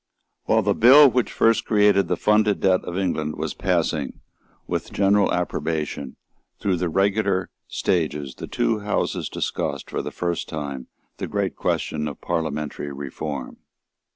While the bill which first created the funded debt of England was passing, with general approbation, through the regular stages, the two Houses discussed, for the first time, the great question of Parliamentary Reform.